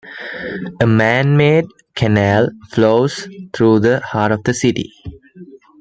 A man-made canal flows through the heart of the city.